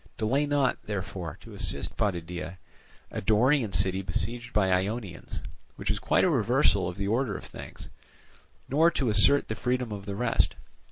Delay not, therefore, to assist Potidæa, a Dorian city besieged by Ionians, which is quite a reversal of the order of things; nor to assert the freedom of the rest.